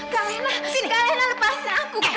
kalena kalena lepasin aku kak